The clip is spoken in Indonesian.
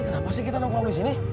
kenapa sih kita nungguin orang disini